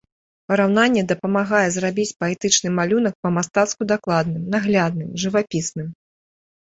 Параўнанне дапамагае зрабіць паэтычны малюнак па-мастацку дакладным, наглядным, жывапісным.